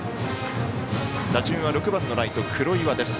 打順は６番のライト、黒岩です。